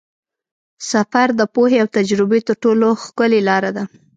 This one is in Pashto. سفر د پوهې او تجربې تر ټولو ښکلې لاره ده.